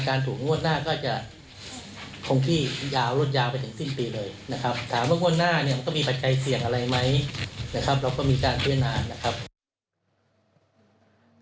การลดค่าอีกทีจะไม่ได้